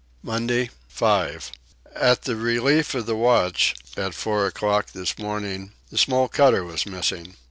Monday 5. At the relief of the watch at four o'clock this morning the small cutter was missing.